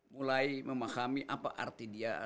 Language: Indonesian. mulai memahami apa arti dia